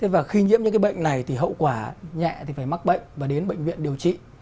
và khi nhiễm những bệnh này thì hậu quả nhẹ thì phải mắc bệnh và đến bệnh viện điều trị